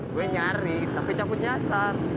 gue nyari tapi cabut nyasar